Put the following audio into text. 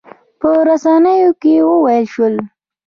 په رسنیو کې وویل شول.